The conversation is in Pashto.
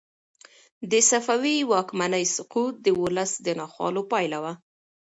د صفوي واکمنۍ سقوط د ولس د ناخوالو پایله وه.